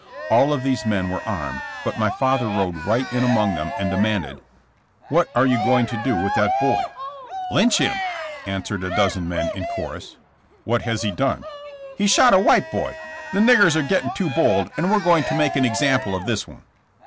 All of these men were armed, but my father rode right in among them and demanded: What are you going to do with that boy?*' Lynch him," answered a dozen men in chorus. What has he done?" '*He shot a white boy. The niggers are getting too bold and we're going to make an example of this one."